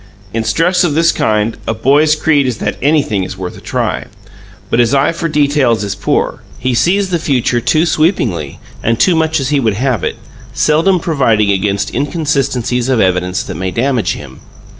In stress of this kind, a boy's creed is that anything is worth a try; but his eye for details is poor. He sees the future too sweepingly and too much as he would have it seldom providing against inconsistencies of evidence that may damage him.